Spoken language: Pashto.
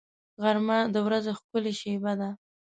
غرمه د ورځې ښکلې شېبه ده